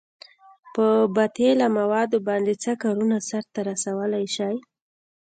په باطله موادو باندې څه کارونه سرته رسولئ شئ؟